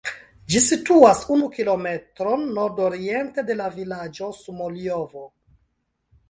Ĝi situas unu kilometron nordoriente de la vilaĝo Smoljovo.